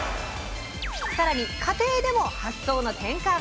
更に家庭でも発想の転換！